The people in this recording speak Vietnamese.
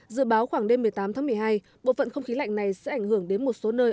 dự báo khoảng đêm một mươi tám tháng một mươi hai bộ phận không khí lạnh này sẽ ảnh hưởng đến một số nơi